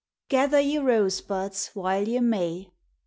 Gatiikr ye rosebuds while ye may.